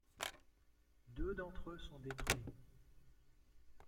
Deux d'entre eux sont détruits.